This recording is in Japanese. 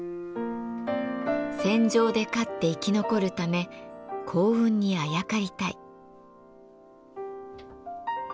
戦場で勝って生き残るため幸運にあやかりたい。